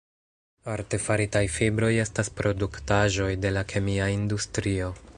Artefaritaj fibroj estas produktaĵoj de la kemia industrio.